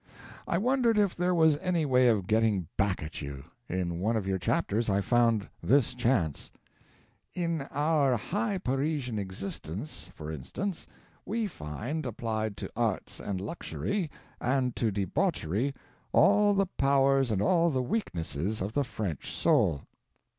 I wondered if there was any way of getting back at you. In one of your chapters I found this chance: "In our high Parisian existence, for instance, we find applied to arts and luxury, and to debauchery, all the powers and all the weaknesses of the French soul."